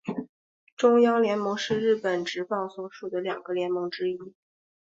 中央联盟是日本职棒所属的两个联盟之一。